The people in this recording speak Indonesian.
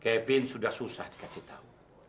kevin sudah susah dikasih tahu